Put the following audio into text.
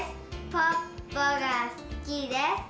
ポッポがすきです。